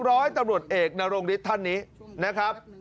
ร้อยตำรวจเอกนรงฤทธิ์ท่านนี้นะครับ